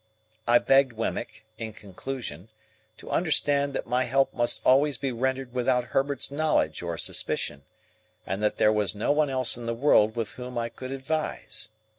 I begged Wemmick, in conclusion, to understand that my help must always be rendered without Herbert's knowledge or suspicion, and that there was no one else in the world with whom I could advise.